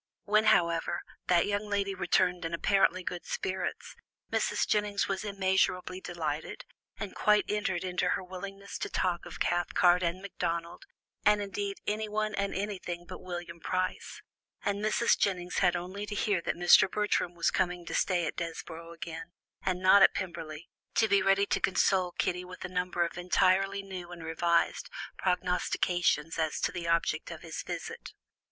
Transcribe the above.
When, however, that young lady returned in apparently good spirits, Mrs. Jennings was immeasurably delighted, and quite entered into her willingness to talk of Cathcart and Macdonald, and, indeed, anyone and anything but William Price, and Mrs. Jennings had only to hear that Mr. Bertram was coming to stay at Desborough again, and not at Pemberley, to be ready to console Kitty with a number of entirely new and revised prognostications as to the object of his visit.